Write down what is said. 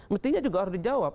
mestinya juga harus dijawab